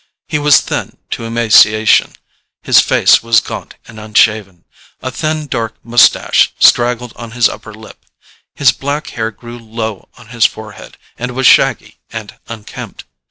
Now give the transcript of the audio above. He was thin to emaciation, his face was gaunt and unshaven, a thin dark moustache straggled on his upper lip, his black hair grew low on his forehead and was shaggy and unkempt.